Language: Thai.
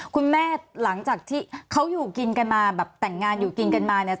หลังจากที่เขาอยู่กินกันมาแบบแต่งงานอยู่กินกันมาเนี่ย